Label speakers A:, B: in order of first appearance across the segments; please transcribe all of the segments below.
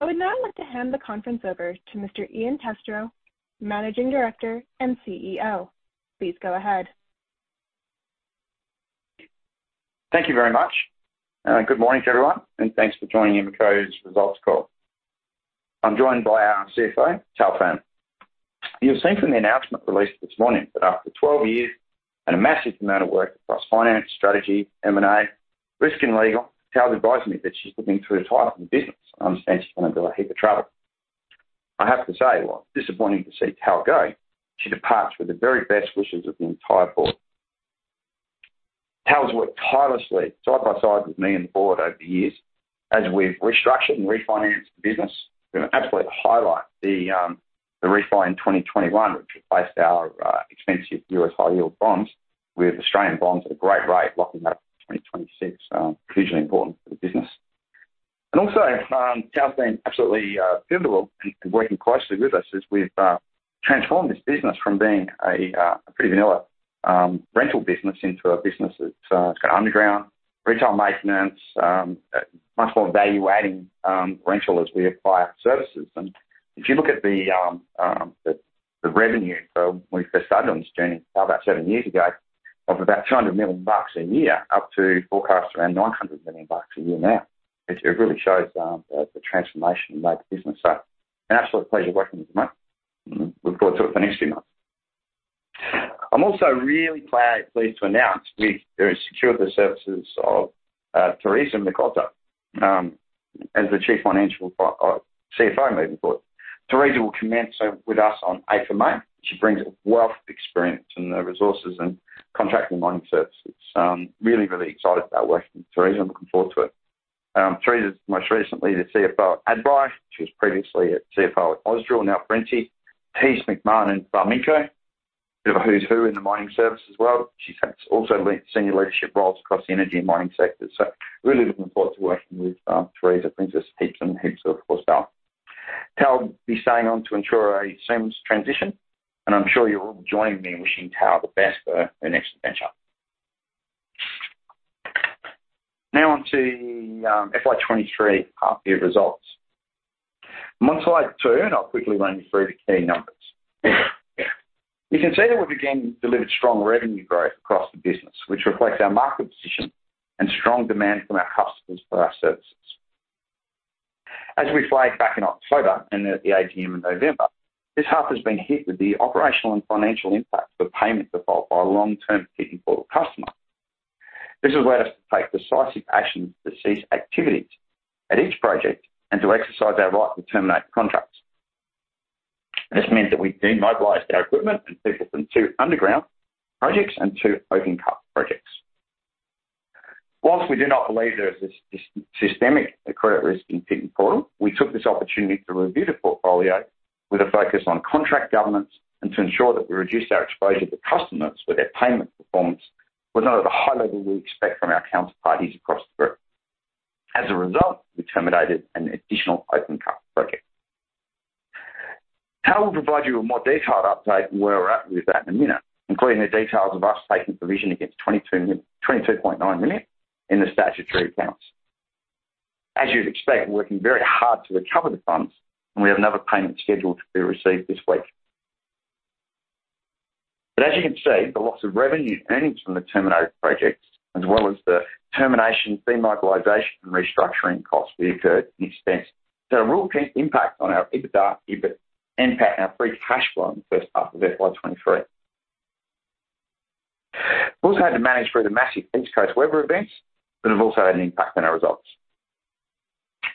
A: I would now like to hand the conference over to Mr. Ian Testrow, Managing Director and Chief Executive Officer. Please go ahead.
B: Thank you very much. Good morning to everyone, thanks for joining Emeco's results call. I'm joined by our Chief Financial Officer, Thao Pham. You'll see from the announcement released this morning that after 12 years and a massive amount of work across finance, strategy, M&A, risk and legal, Thao advised me that she's looking to retire from the business. I understand she's gonna be a heap of trouble. I have to say, while disappointing to see Thao go, she departs with the very best wishes of the entire board. Thao's worked tirelessly side by side with me and the board over the years as we've restructured and refinanced the business. Absolutely to highlight the refi in 2021, which replaced our expensive U.S. high-yield bonds with Australian bonds at a great rate, locking up 2026, crucially important for the business. Also, Thao's been absolutely pivotal in working closely with us as we've transformed this business from being a pretty vanilla rental business into a business that's has gone underground, retail maintenance, much more value-adding rental as we acquire services. If you look at the revenue for when we first started on this journey about seven years ago of about 200 million bucks a year up to forecast around 900 million bucks a year now. It really shows the transformation we've made to the business. An absolute pleasure working with you, mate. Look forward to it for the next few months. I'm also really pleased to announce we've secured the services of Theresa Mlikota as the Chief Financial Officer, moving forward. Theresa will commence with us on 8th of May. She brings a wealth of experience in the resources and contracting mining services. Really, really excited about working with Theresa and looking forward to it. Theresa's most recently the Chief Financial Officer at Adbri. She was previously a Chief Financial Officer at Ausdrill, now Perenti, Macmahon and Farmico. Bit of a who's who in the mining service as well. She's had also senior leadership roles across the energy and mining sectors. Really looking forward to working with Theresa. Brings us heaps and heaps of horsepower. Thao will be staying on to ensure a seamless transition. I'm sure you'll all join me in wishing Thao the best for her next adventure. Now on to FY 2023 half year results. On slide two, I'll quickly run you through the key numbers. You can see that we've again delivered strong revenue growth across the business, which reflects our market position and strong demand from our customers for our services. As we flagged back in October and at the AGM in November, this half has been hit with the operational and financial impact of a payment default by a long-term Pit N Portal customer. This has led us to take decisive action to cease activities at each project and to exercise our right to terminate contracts. This meant that we demobilized our equipment and people from two underground projects and two open-cut projects. We do not believe there is a systemic credit risk in Pit N Portal, we took this opportunity to review the portfolio with a focus on contract governance and to ensure that we reduced our exposure to customers, where their payment performance was not at the high level we expect from our counterparties across the group. As a result, we terminated an additional open-cut project. Thao will provide you a more detailed update where we're at with that in a minute, including the details of us taking provision against 22.9 million in the statutory accounts. As you'd expect, we're working very hard to recover the funds, and we have another payment scheduled to be received this week. As you can see, the loss of revenue earnings from the terminated projects as well as the termination, demobilization, and restructuring costs we incurred in expense, had a real impact on our EBITDA, EBIT, NPAT, and our free cash flow in the first half of FY 2023. We've also had to manage through the massive East Coast weather events that have also had an impact on our results.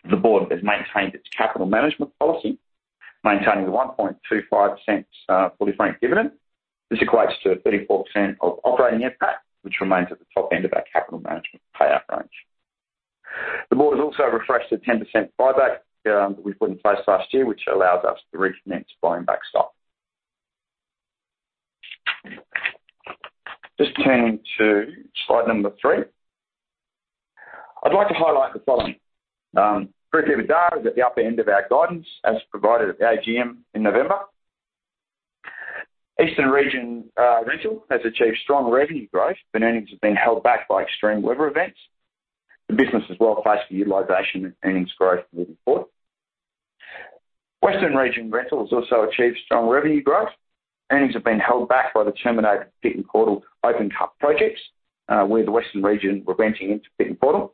B: The board has maintained its capital management policy, maintaining the 0.0125 fully franked dividend. This equates to 34% of operating NPAT, which remains at the top end of our capital management payout range. The board has also refreshed the 10% buyback that we put in place last year, which allows us to recommence buying back stock. Just turning to slide three. I'd like to highlight the following. Briefly, the data is at the upper end of our guidance as provided at the AGM in November. Eastern region rental has achieved strong revenue growth, but earnings have been held back by extreme weather events. The business is well placed for utilization and earnings growth moving forward. Western region rental has also achieved strong revenue growth. Earnings have been held back by the terminated Pit N Portal open-cut projects, where the Western region were renting into Pit N Portal.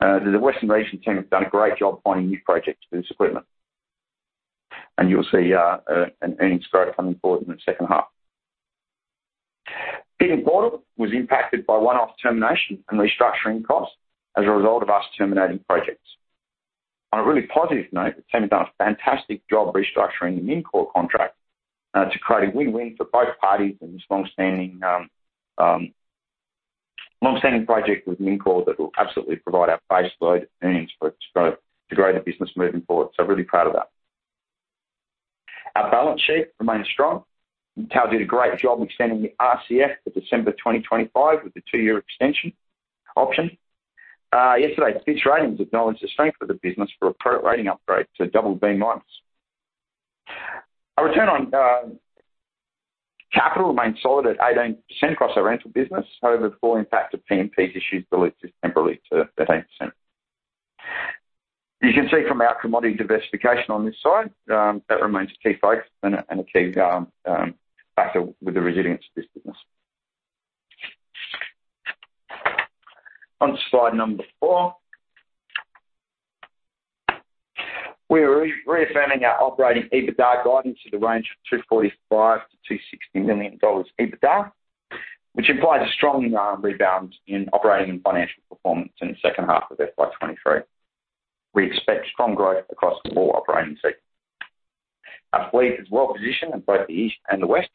B: The Western region team have done a great job finding new projects for this equipment. You'll see an earnings growth coming forward in the second half. Pit N Portal was impacted by one-off termination and restructuring costs as a result of us terminating projects. On a really positive note, the team has done a fantastic job restructuring the Mincor contract to create a win-win for both parties and this long-standing project with Mincor that will absolutely provide our base load earnings to grow the business moving forward. Really proud of that. Our balance sheet remains strong, and Tal did a great job extending the RCF to December 2025 with the 2-year extension option. Yesterday, Fitch Ratings acknowledged the strength of the business for a credit rating upgrade to BB-. Our return on capital remains solid at 18% across our rental business. However, the full impact of PMP issues is temporarily to 18%. You can see from our commodity diversification on this side, that remains a key focus and a key factor with the resilience of this business. On to slide number four. We are reaffirming our operating EBITDA guidance to the range of 245 million-260 million dollars EBITDA, which implies a strong rebound in operating and financial performance in the second half of FY23. We expect strong growth across the board operating fleet. Our fleet is well positioned in both the east and the west.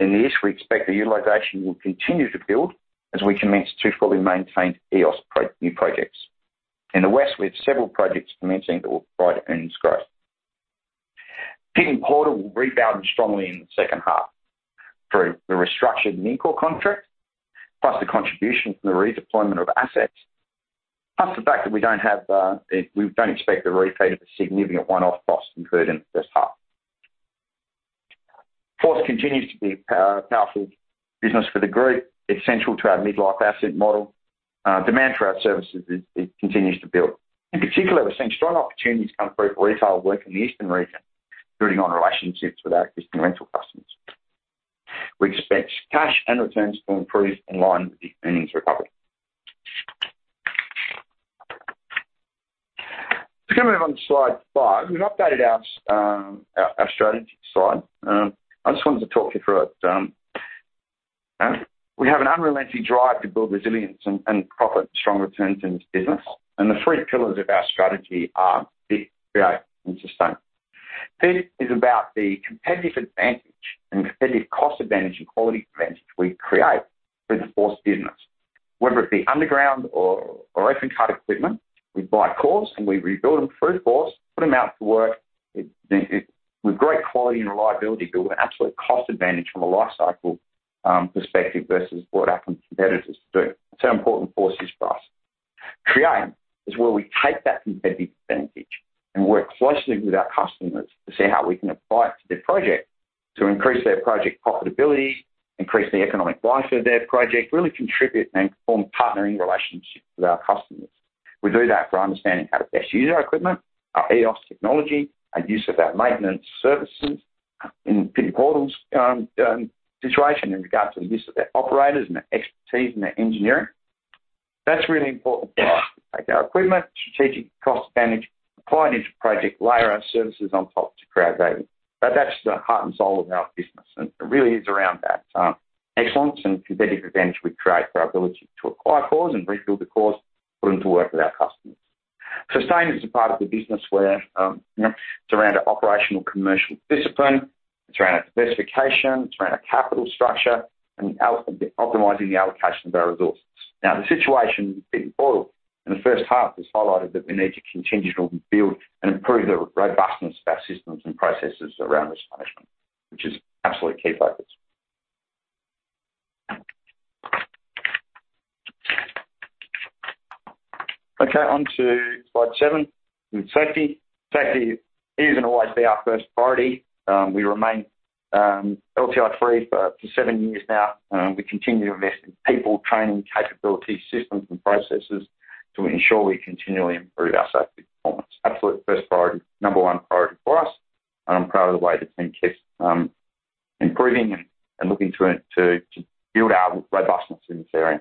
B: In the east, we expect the utilization will continue to build as we commence two fully maintained EOS pro-new projects. In the west, we have several projects commencing that will provide earnings growth. Pit N Portal will rebound strongly in the second half through the restructured Mincor contract, plus the contribution from the redeployment of assets, plus the fact that we don't expect the repeat of a significant one-off cost incurred in the first half. Force continues to be a powerful business for the group. It's central to our mid-life asset model. Demand for our services continues to build. In particular, we're seeing strong opportunities come through for retail work in the eastern region, building on relationships with our existing rental customers. We expect cash and returns will improve in line with the earnings recovery. We're gonna move on to slide five. We've updated our strategy slide. I just wanted to talk you through it. We have an unrelenting drive to build resilience and profit strong returns in this business. The three pillars of our strategy are fit, create, and sustain. Fit is about the competitive advantage and competitive cost advantage and quality advantage we create for the Force business. Whether it be underground or open cut equipment, we buy cores and we rebuild them through Force, put them out to work. With great quality and reliability build an absolute cost advantage from a life cycle perspective versus what our competitors do. That's how important Force is for us. Create is where we take that competitive advantage and work closely with our customers to see how we can apply it to their project to increase their project profitability, increase the economic life of their project, really contribute and form partnering relationships with our customers. We do that through understanding how to best use our equipment, our EOS technology, our use of our maintenance services in Pit N Portal's situation in regards to the use of their operators and their expertise and their engineering. That's really important for us to take our equipment, strategic cost advantage, apply it into project, layer our services on top to create value. That's the heart and soul of our business. It really is around that excellence and competitive advantage we create for our ability to acquire cores and rebuild the cores, put them to work with our customers. Sustain is a part of the business where, you know, it's around our operational commercial discipline. It's around our diversification. It's around our capital structure and optimizing the allocation of our resources. The situation with Pit N Portal in the first half has highlighted that we need to continually build and improve the robustness of our systems and processes around risk management, which is absolute key focus. On to slide seven, with safety. Safety is and always be our first priority. We remain LTI-free for 7 years now. We continue to invest in people, training, capabilities, systems and processes to ensure we continually improve our safety performance. Absolute first priority, number one priority for us. I'm proud of the way the team keeps improving and looking to build our robustness in this area.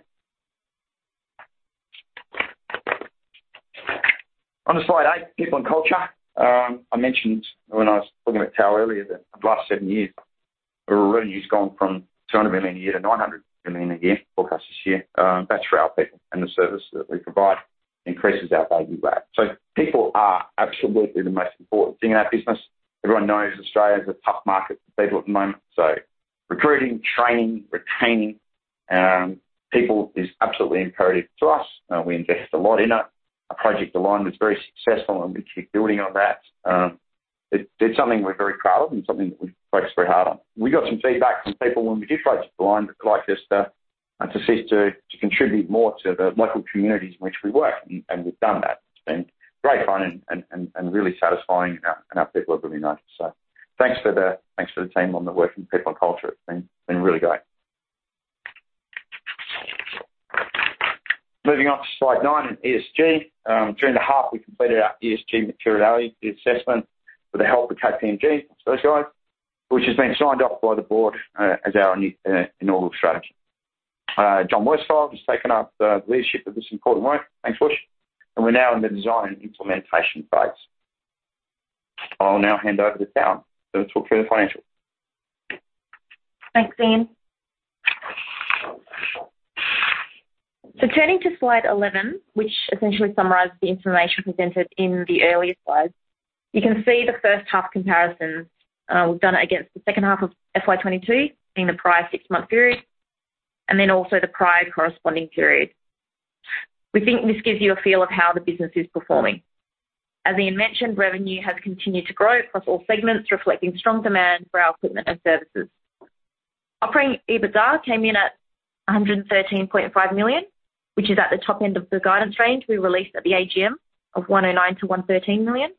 B: On to slide eight, people and culture. I mentioned when I was talking about Thao earlier that the last seven years, our revenue's gone from 200 million a year to 900 million a year forecast this year. That's for our people, and the service that we provide increases our value add. People are absolutely the most important thing in our business. Everyone knows Australia is a tough market for people at the moment. Recruiting, training, retaining, people is absolutely imperative to us. We invest a lot in it. Our Project Align was very successful, and we keep building on that. It's something we're very proud of and something that we focus very hard on. We got some feedback from people when we did Project Align that would like us to seek to contribute more to the local communities in which we work. We've done that. It's been great fun and really satisfying, and our people have really noticed. Thanks to the team on the work in people and culture. It's been really great. Moving on to slide nine and ESG. During the half, we completed our ESG materiality assessment with the help of KPMG. Thanks, guys. Which has been signed off by the board as our new inaugural strategy. John Worsfold has taken up the leadership of this important work. Thanks, John. We're now in the design and implementation phase. I'll now hand over to Thao to talk through the financials.
C: Thanks, Ian. Turning to slide 11, which essentially summarizes the information presented in the earlier slides, you can see the first half comparisons. We've done it against the second half of FY 2022 in the prior six-month period, also the prior corresponding period. We think this gives you a feel of how the business is performing. As Ian mentioned, revenue has continued to grow across all segments, reflecting strong demand for our equipment and services. Operating EBITDA came in at 113.5 million, which is at the top end of the guidance range we released at the AGM of 109 million-113 million.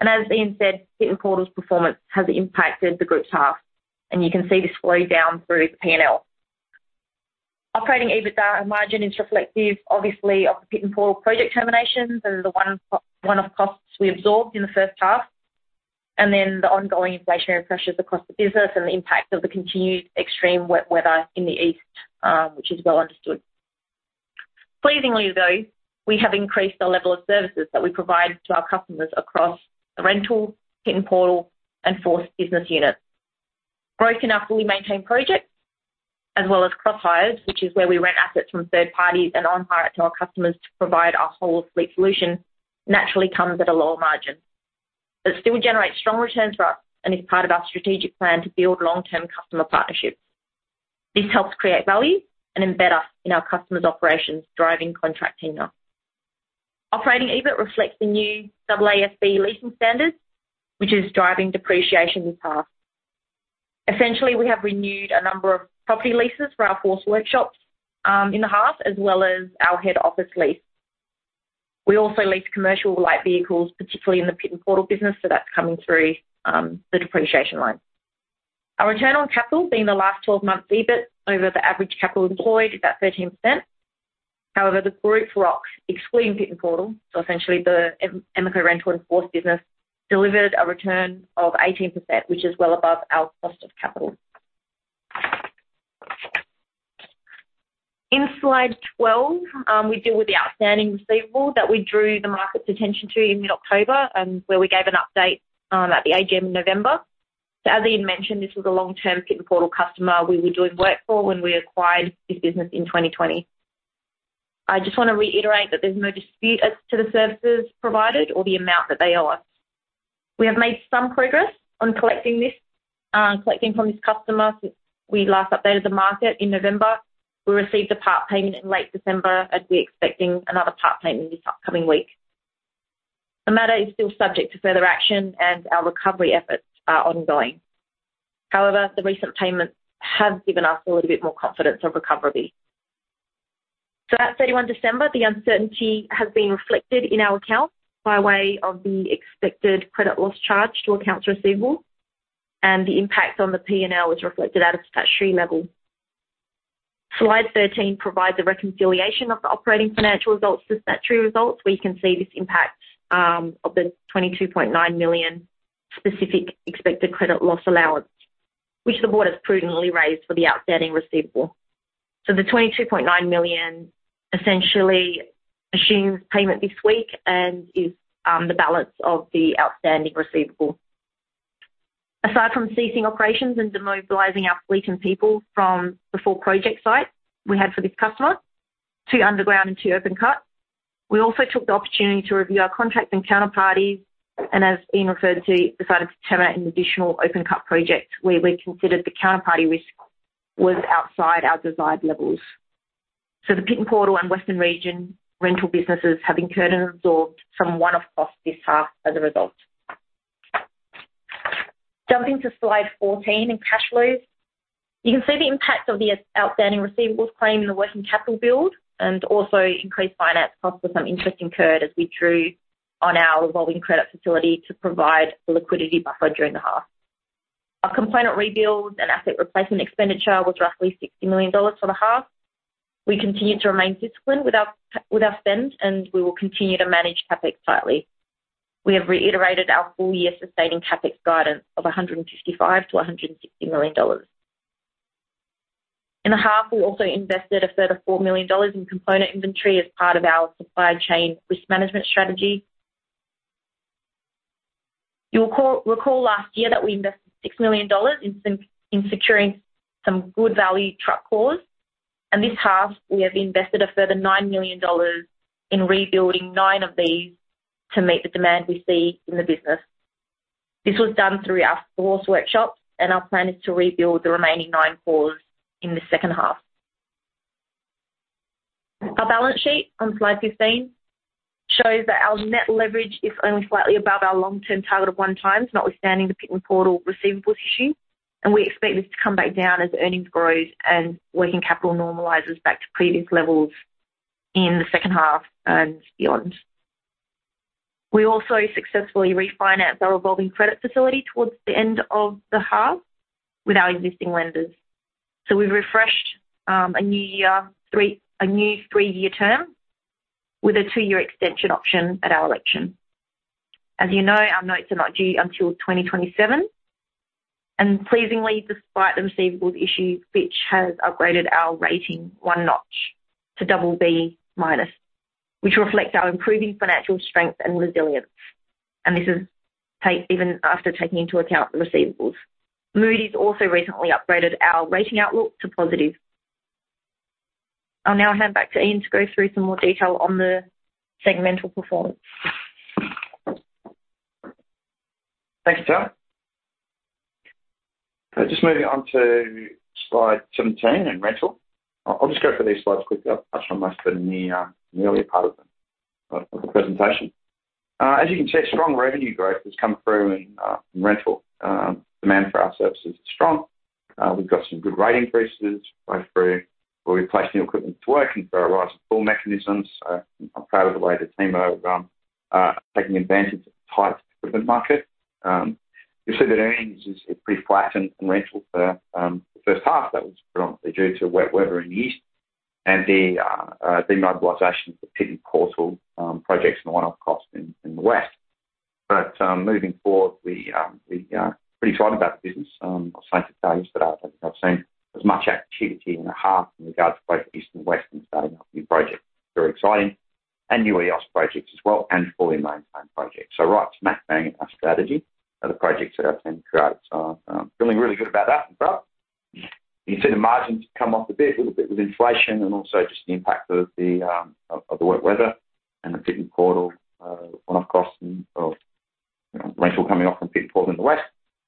C: As Ian said, Pit N Portal's performance has impacted the group's half, and you can see this flow down through the PNL. Operating EBITDA and margin is reflective, obviously, of the Pit N Portal project terminations and the one-off costs we absorbed in the first half, and then the ongoing inflationary pressures across the business and the impact of the continued extreme wet weather in the east, which is well understood. Pleasingly, though, we have increased the level of services that we provide to our customers across the rental, Pit N Portal, and Force business units. Work in our fully maintained projects, as well as cross-hires, which is where we rent assets from third parties and on-hire to our customers to provide our whole fleet solution, naturally comes at a lower margin. It still generates strong returns for us and is part of our strategic plan to build long-term customer partnerships. This helps create value and embed us in our customers' operations, driving contract tenure. Operating EBIT reflects the new AASB leasing standards, which is driving depreciation this half. Essentially, we have renewed a number of property leases for our Force workshops in the half, as well as our head office lease. We also lease commercial light vehicles, particularly in the Pit N Portal business, so that's coming through the depreciation line. Our return on capital being the last 12 months EBIT over the average capital employed is about 13%. However, the group ROC, excluding Pit N Portal, so essentially the Emeco Rental and Force business, delivered a return of 18%, which is well above our cost of capital. In slide 12, we deal with the outstanding receivable that we drew the market's attention to in mid-October and where we gave an update at the AGM in November. As Ian mentioned, this was a long-term Pit N Portal customer we were doing work for when we acquired this business in 2020. I just wanna reiterate that there's no dispute as to the services provided or the amount that they owe us. We have made some progress on collecting this, collecting from this customer since we last updated the market in November. We received a part payment in late December, and we're expecting another part payment in this upcoming week. The matter is still subject to further action, and our recovery efforts are ongoing. However, the recent payments have given us a little bit more confidence of recoverability. At 31 December, the uncertainty has been reflected in our accounts by way of the expected credit loss charge to accounts receivable and the impact on the PNL is reflected at a statutory level. Slide 13 provides a reconciliation of the operating financial results to statutory results, where you can see this impact of the 22.9 million specific Expected Credit Loss allowance, which the board has prudently raised for the outstanding receivable. The 22.9 million essentially assumes payment this week and is the balance of the outstanding receivable. Aside from ceasing operations and demobilizing our fleet and people from the 4 project sites we had for this customer, 2 underground and 2 open cut, we also took the opportunity to review our contracts and counterparties, and as Ian Testrow referred to, decided to terminate an additional open-cut project where we considered the counterparty risk was outside our desired levels. The Pit N Portal and Western region rental businesses have incurred and absorbed some one-off costs this half as a result. Jumping to slide 14 in cash flows. You can see the impact of the outstanding receivables claim in the working capital build and also increased finance costs with some interest incurred as we drew on our revolving credit facility to provide a liquidity buffer during the half. Our component rebuild and asset replacement expenditure was roughly 60 million dollars for the half. We continue to remain disciplined with our spend, and we will continue to manage CapEx tightly. We have reiterated our full-year sustaining CapEx guidance of 155 million-160 million dollars. In the half, we also invested a further 4 million dollars in component inventory as part of our supply chain risk management strategy. Recall last year that we invested $6 million in securing some good value truck cores, this half we have invested a further $9 million in rebuilding nine of these to meet the demand we see in the business. This was done through our Force workshops, our plan is to rebuild the remaining nine cores in the second half. Our balance sheet on slide 15 shows that our net leverage is only slightly above our long-term target of 1 times, notwithstanding the Pit N Portal receivables issue, we expect this to come back down as earnings grows and working capital normalizes back to previous levels in the second half and beyond. We also successfully refinanced our revolving credit facility towards the end of the half with our existing lenders. We've refreshed a new 3-year term with a 2-year extension option at our election. As you know, our notes are not due until 2027. Pleasingly, despite the receivables issue, Fitch has upgraded our rating one notch to BB-, which reflects our improving financial strength and resilience. This is even after taking into account the receivables. Moody's also recently upgraded our rating outlook to positive. I'll now hand back to Ian to go through some more detail on the segmental performance.
B: Thank you, Tara. Just moving on to slide 17 in rental. I'll just go through these slides quickly. I've touched on most of them in the earlier part of the presentation. Of the presentation. As you can see, strong revenue growth has come through in rental. Demand for our services is strong. We've got some good rate increases through where we place new equipment to work and through our rate of pull mechanisms. I'm proud of the way the team have taking advantage of the tight equipment market. You'll see that earnings is pretty flat in rental for the first half. That was predominantly due to wet weather in the east and the demobilization of the Pit N Portal projects and one-off costs in the west. Moving forward, we pretty excited about the business. I was saying to James that I've seen as much activity in the half in regards to both East and West starting up new projects. Very exciting. New EOS projects as well, and fully maintained projects. Right to map bang our strategy are the projects that our team created. Feeling really good about that and proud. You can see the margins come off a bit, a little bit with inflation and also just the impact of the wet weather and the Pit N Portal one-off costs of rental coming off from Pit N Portal in the West.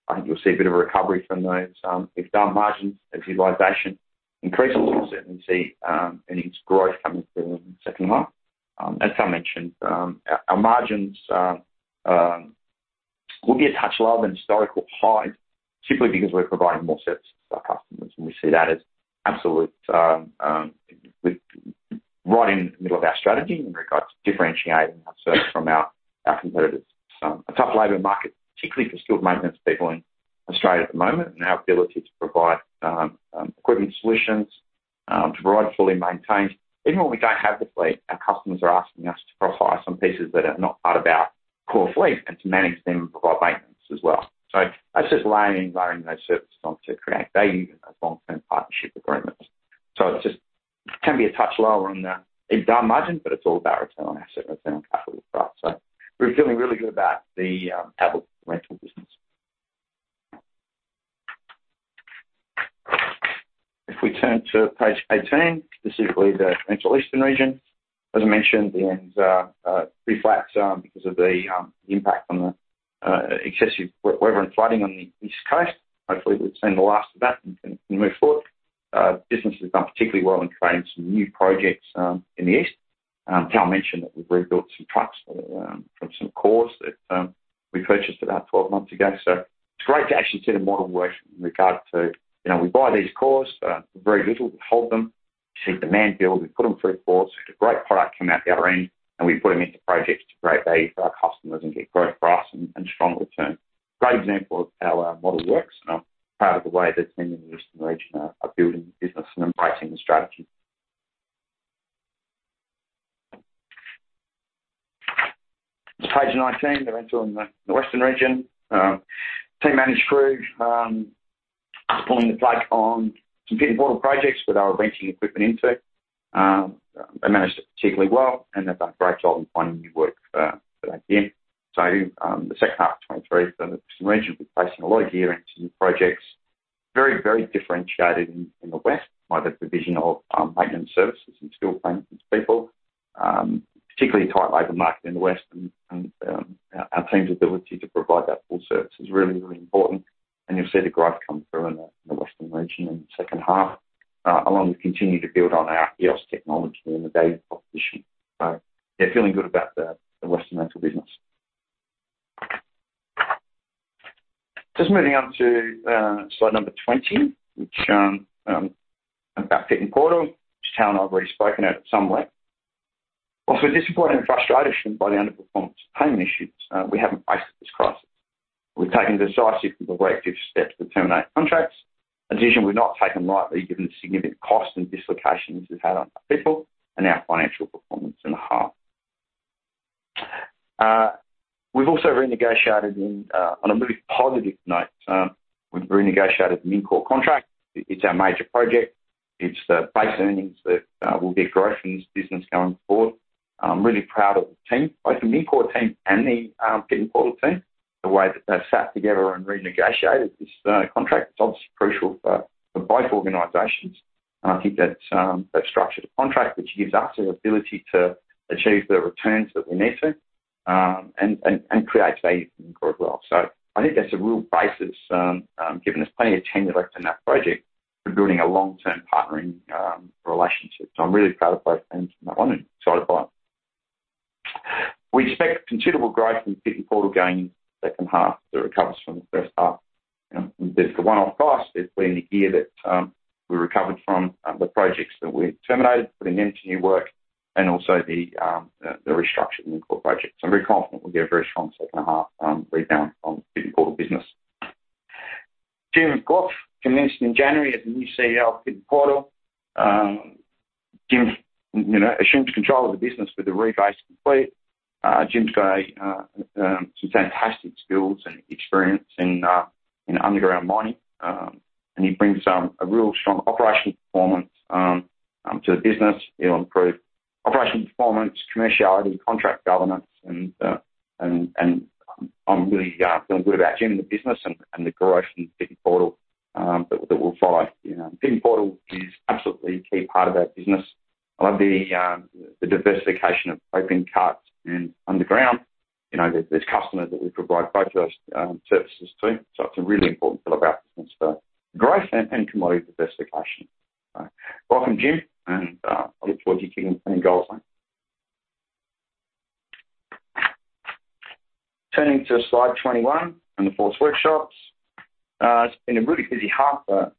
B: I think you'll see a bit of a recovery from those EBITDA margins as utilization increases. We certainly see earnings growth coming through in the second half. As Tal mentioned, our margins will be a touch lower than historical highs simply because we're providing more services to our customers, and we see that as absolute, right in the middle of our strategy in regards to differentiating our service from our competitors. A tough labor market, particularly for skilled maintenance people in Australia at the moment, and our ability to provide equipment solutions to provide fully maintained. Even when we don't have the fleet, our customers are asking us to procure some pieces that are not part of our core fleet and to manage them and provide maintenance as well. That's just layering and layering those services on to create value in those long-term partnership agreements. it just can be a touch lower on the EBITDA margin, but it's all about return on asset, return on capital for us. We're feeling really good about the Apple rental business. If we turn to page 18, specifically the rental eastern region. As I mentioned, the earnings are pretty flat because of the impact from the excessive weather and flooding on the East Coast. Hopefully, we've seen the last of that and can move forward. Business has done particularly well in creating some new projects in the East. Tal mentioned that we've rebuilt some trucks from some cores that we purchased about 12 months ago. it's great to actually see the model work in regard to, you know, we buy these cores for very little, we hold them. You see demand build, we put them through ports. We get a great product come out the other end, we put them into projects to create value for our customers and get growth for us and stronger returns. Great example of how our model works, I'm proud of the way the team in the Eastern region are building the business and embracing the strategy. To page 19, the rental in the Western region. Team managed crew, pulling the plug on some Pit N Portal projects that they were renting equipment into. They managed it particularly well, and they've done a great job in finding new work for that gear. The second half of 2023 for the Western region, we're placing a lot of gear into new projects. Very, very differentiated in the West by the provision of maintenance services and skilled maintenance people. Particularly tight labor market in the West and our team's ability to provide that full service is really, really important. You'll see the growth come through in the, in the Western region in the second half. Along with continue to build on our EOS technology and the data proposition. Yeah, feeling good about the Western rental business. Just moving on to slide number 20, which about Pit N Portal, which Tal and I have already spoken at some length. Whilst we're disappointed and frustrated by the underperformance of payment issues, we haven't faced this crisis. We've taken decisive and corrective steps to terminate contracts. In addition, we've not taken lightly given the significant costs and dislocations we've had on our people and our financial performance in the half. We've also renegotiated On a really positive note, we've renegotiated the Mincor contract. It's our major project. It's the base earnings that will be growth in this business going forward. I'm really proud of the team, both the Mincor team and the Pit N Portal team, the way that they've sat together and renegotiated this contract. It's obviously crucial for both organizations. I think that they've structured a contract which gives us the ability to achieve the returns that we need to, and, and create value for Mincor as well. I think that's a real basis, giving us plenty of tenure left in that project for building a long-term partnering relationship. I'm really proud of both teams on that one and excited by it. We expect considerable growth in Pit N Portal gains in the second half that recovers from the first half. You know, there's the one-off cost. There's been the year that we recovered from the projects that we terminated, putting them to new work, and also the restructuring of the Mincor project. I'm very confident we'll get a very strong second half rebound on Pit N Portal business. Jim Gough commenced in January as the new Chief Executive Officer of Pit N Portal. Jim, you know, assumes control of the business with the rebase complete. Jim's got some fantastic skills and experience in underground mining, he brings a real strong operational performance to the business. He'll improve operational performance, commerciality, contract governance, I'm really feeling good about Jim in the business and the growth in Pit N Portal that will follow. You know, Pit N Portal is absolutely a key part of our business. I love the diversification of open cuts and underground. You know, there's customers that we provide both those services to. It's a really important pillar of our business for growth and commodity diversification. Welcome, Jim, I look forward to kicking plenty goals. Turning to slide 21 on the FORCE workshops. It's been a really busy half for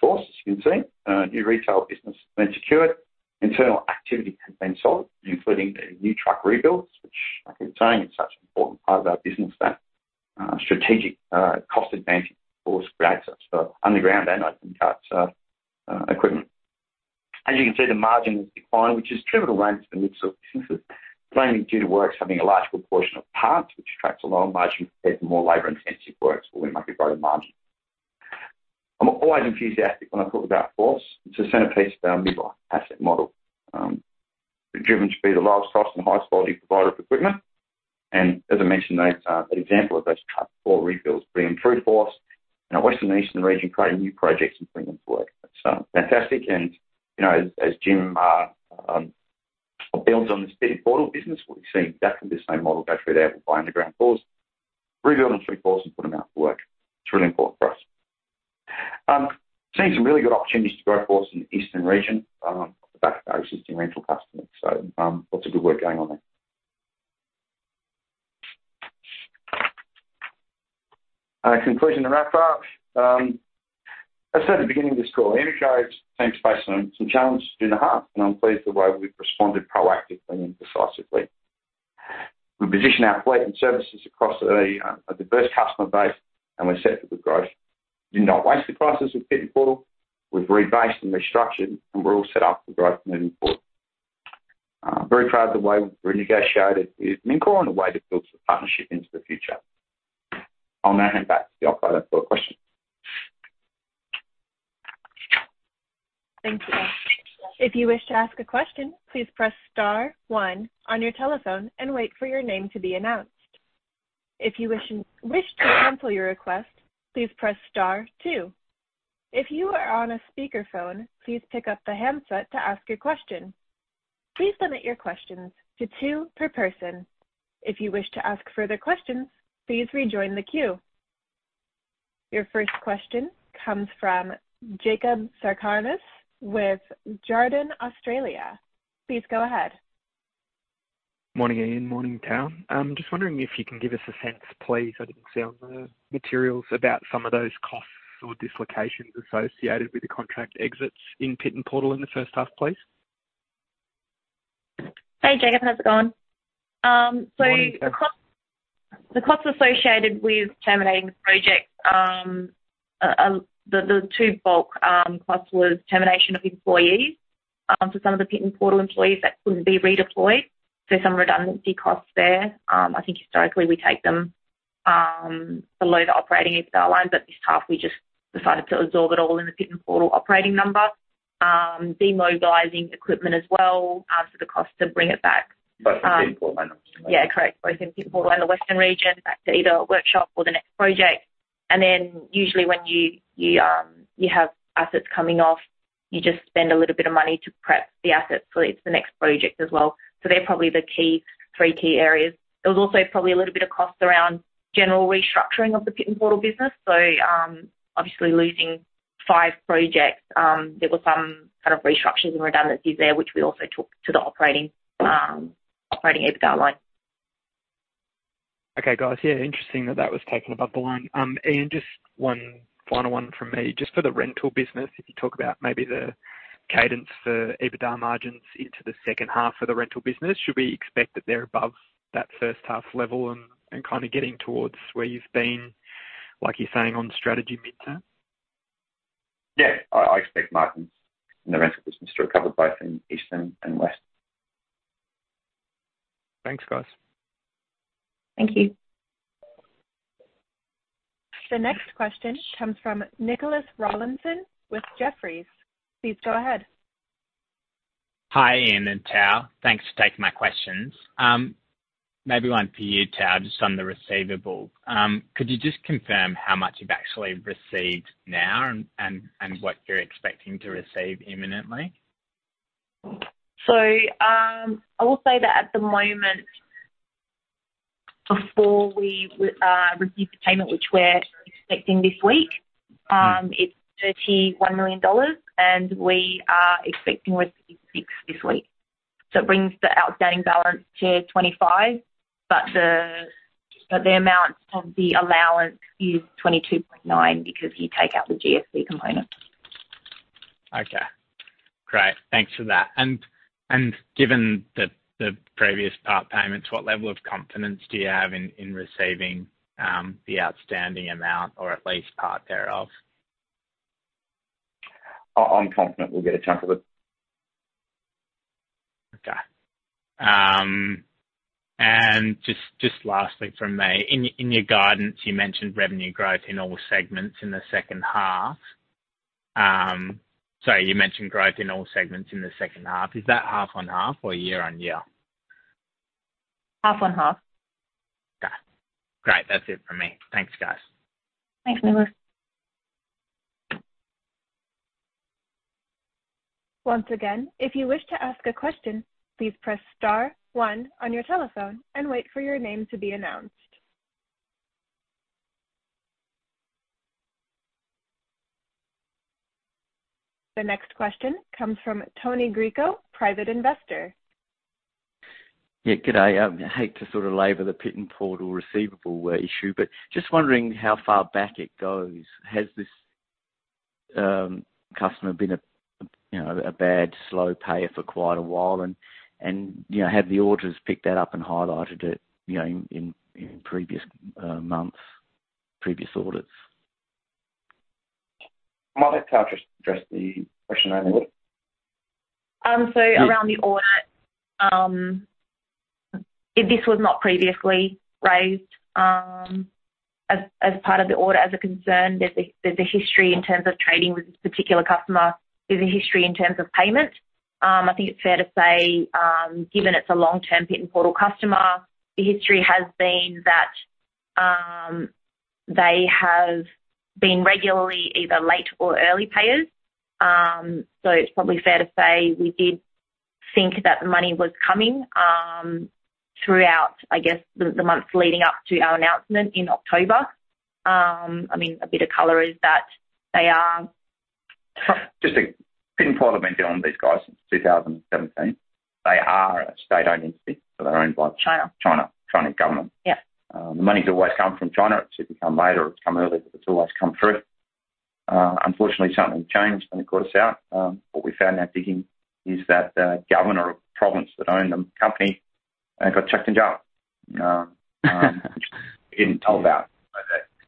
B: FORCE, as you can see. New retail business has been secured. Internal activity has been solid, including the new truck rebuilds, which I keep saying, it's such an important part of our business, that strategic cost advantage FORCE creates us for underground and open cuts equipment. As you can see, the margin has declined, which is driven around to the mix of businesses, mainly due to works having a larger proportion of parts which attracts a lower margin compared to more labor-intensive works where we make a greater margin. I'm always enthusiastic when I talk about FORCE. It's the centerpiece of our mid-life asset model. We're driven to be the lowest cost and highest quality provider of equipment. As I mentioned, those, an example of those truck four refills being through FORCE. In our Western Eastern region, creating new projects and bringing them to work. Fantastic. You know, as Jim builds on this Pit N Portal business, we've seen exactly the same model go through there. We'll buy underground cores, rebuild them through FORCE and put them out to work. It's really important for us. Seeing some really good opportunities to grow FORCE in the eastern region off the back of our existing rental customers. Lots of good work going on there. Conclusion and wrap up. As I said at the beginning of this call, InterGroup Mining has since faced some challenges in the half, and I'm pleased the way we've responded proactively and decisively. We position our fleet and services across a diverse customer base, and we're set for good growth. Did not waste the crisis with Pit N Portal. We've rebased and restructured, and we're all set up for growth moving forward. Very proud of the way we renegotiated with Mincor and a way to build some partnership into the future. I'll now hand back to the operator for questions.
A: Thank you. If you wish to ask a question, please press star one on your telephone and wait for your name to be announced. If you wish to cancel your request, please press star two. If you are on a speaker phone, please pick up the handset to ask a question. Please limit your questions to two per person. If you wish to ask further questions, please rejoin the queue. Your first question comes from Jakob Cakarnis with Jarden Australia. Please go ahead.
D: Morning, Ian. Morning, Tao. Just wondering if you can give us a sense, please, I didn't see on the materials about some of those costs or dislocations associated with the contract exits in Pit N Portal in the first half, please?
C: Hey, Jakob, how's it going?
D: Morning, Thao.
C: The costs associated with terminating the project, the two bulk costs was termination of employees for some of the Pit N Portal employees that couldn't be redeployed. Some redundancy costs there. I think historically we take them below the operating EBITDA line, but this half we just decided to absorb it all in the Pit N Portal operating number. Demobilizing equipment as well for the cost to bring it back.
B: Both in Pit N Portal.
C: Yeah, correct. Both in Pit N Portal in the western region, back to either workshop or the next project. Usually when you have assets coming off, you just spend a little bit of money to prep the assets for each, the next project as well. They're probably the key, three key areas. There was also probably a little bit of cost around general restructuring of the Pit N Portal business. Obviously losing five projects, there were some kind of restructures and redundancies there, which we also took to the operating EBITDA line.
D: Okay, guys. Yeah, interesting that that was taken above the line. Ian, just one final one from me. Just for the rental business, if you talk about maybe the cadence for EBITDA margins into the second half for the rental business, should we expect that they're above that first half level and kinda getting towards where you've been, like you're saying on strategy midterm?
B: Yeah. I expect margins in the rental business to recover both in East and West.
D: Thanks, guys.
C: Thank you.
A: The next question comes from Nicholas Rawlinson with Jefferies. Please go ahead.
E: Hi, Ian and Tao. Thanks for taking my questions. Maybe one for you, Tao, just on the receivable. Could you just confirm how much you've actually received now and what you're expecting to receive imminently?
C: I will say that at the moment, before we receive the payment, which we're expecting this week.
E: Mm-hmm.
C: It's 31 million dollars, and we are expecting to receive 6 this week. It brings the outstanding balance to 25, but the amount of the allowance is 22.9 because you take out the GSC component.
E: Okay. Great. Thanks for that. Given the previous part payments, what level of confidence do you have in receiving the outstanding amount or at least part thereof?
B: I'm confident we'll get a chunk of it.
E: Okay. Just lastly from me. In your guidance, you mentioned revenue growth in all segments in the second half. Sorry, you mentioned growth in all segments in the second half. Is that half on half or year on year?
C: Half on half.
E: Okay. Great. That's it from me. Thanks, guys.
C: Thanks, Nicholas.
A: Once again, if you wish to ask a question, please press star one on your telephone and wait for your name to be announced. The next question comes from Tony Grogan, Private Investor.
F: Good day. I hate to sort of labor the Pit N Portal receivable issue, but just wondering how far back it goes. Has this customer been a, you know, a bad, slow payer for quite a while and, you know, have the auditors picked that up and highlighted it, you know, in previous months, previous audits?
B: Might have Carl just address the question.
C: Around the audit, this was not previously raised as part of the audit as a concern. There's a history in terms of trading with this particular customer. There's a history in terms of payment. I think it's fair to say, given it's a long-term Pit N Portal customer, the history has been that they have been regularly either late or early payers. It's probably fair to say we did think that the money was coming throughout the months leading up to our announcement in October. A bit of color is that they are...
B: Pit N Portal have been dealing with these guys since 2017. They are a state-owned entity, they're owned by-
C: China.
B: China. China government.
C: Yeah.
B: The money's always come from China. It's become later, it's come early, but it's always come through. Unfortunately, something changed when it got us out. What we found out digging is that the governor of the province that owned the company got chucked in jail. We've been told about.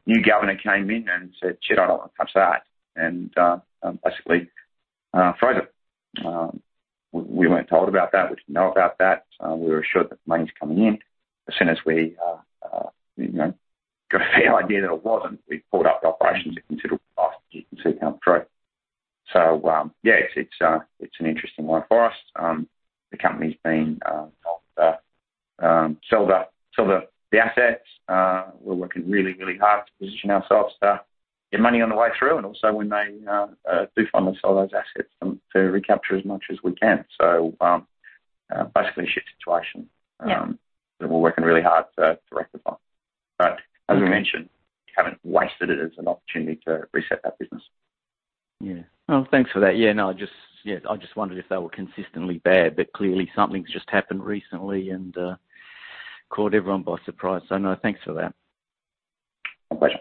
B: The new governor came in and said, "Shit, I don't wanna touch that," and basically froze it. We weren't told about that. We didn't know about that. We were assured that the money's coming in. As soon as we, you know, got the idea that it wasn't, we pulled up the operations at considerable cost as you can see coming through. Yeah, it's an interesting one for us. The company's been told to sell the assets. We're working really hard to position ourselves to get money on the way through and also when they do finally sell those assets to recapture as much as we can. Basically a shit situation.
C: Yeah.
B: We're working really hard to rectify. As we mentioned, we haven't wasted it as an opportunity to reset that business.
F: Yeah. Well, thanks for that. Yeah, no, I just wondered if they were consistently bad, but clearly something's just happened recently and caught everyone by surprise. No, thanks for that.
B: No question.